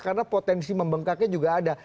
karena potensi membengkaknya juga ada